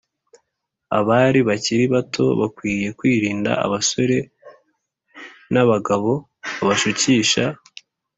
abari bakiri bato bakwiye kwirinda abasore n’abagabo babashukisha